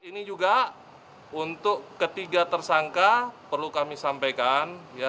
ini juga untuk ketiga tersangka perlu kami sampaikan